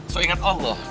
so inget allah